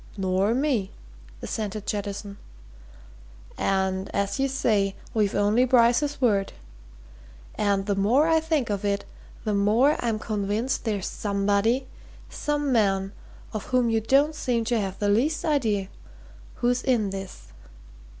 "Nor me," assented Jettison. "And as you say, we've only Bryce's word. And, the more I think of it, the more I'm convinced there's somebody some man of whom you don't seem to have the least idea who's in this.